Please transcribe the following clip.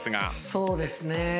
そうですね。